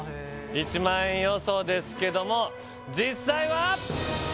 １万円予想ですけども実際は？